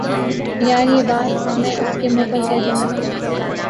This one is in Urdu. یار، یہ بات میں اس کے منہ پر کہ دوں گی